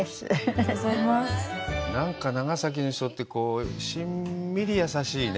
なんか長崎の人ってしんみり優しいね。